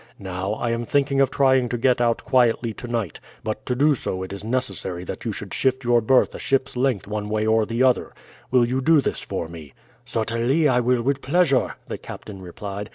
Now, I am thinking of trying to get out quietly tonight; but to do so it is necessary that you should shift your berth a ship's length one way or the other. Will you do this for me?" "Certainly I will, with pleasure," the captain replied.